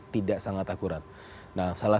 tidak sangat akurat nah salah